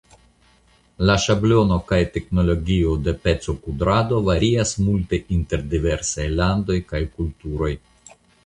La ŝablono kaj teknologio de pecokudrado varias multe inter diversaj landoj kaj kulturoj.